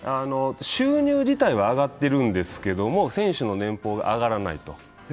収入自体は上がっているんですけども、選手の年俸が上がらないと。